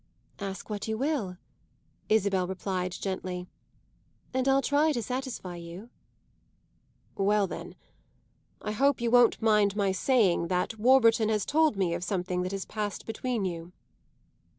"Ask what you will," Isabel replied gently, "and I'll try to satisfy you." "Well then, I hope you won't mind my saying that Warburton has told me of something that has passed between you."